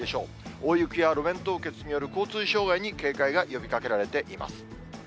大雪や路面凍結による交通障害に警戒が呼びかけられています。